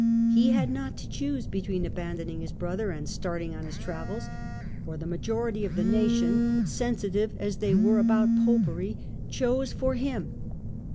He had not to choose between abandoning his brother and " starting on his travels ", for the majority of the nation, sensitive as they were about Popery, chose for him.